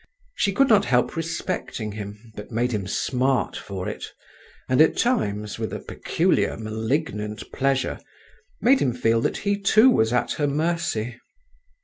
She could not help respecting him, but made him smart for it, and at times, with a peculiar, malignant pleasure, made him feel that he too was at her mercy.